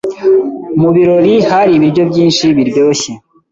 Mu birori hari ibiryo byinshi biryoshye